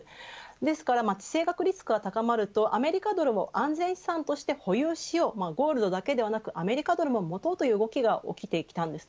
ですから地政学リスクが高まるとアメリカドルを安全資産として保有しようゴールドだけではなくアメリカドルも持とうという動きが起きてきたんです。